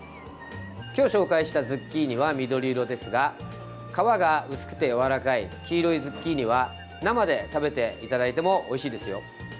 今日、紹介したズッキーニは緑色ですが皮が薄くてやわらかい黄色いズッキーニは生で食べていただいてもおいしいですよ。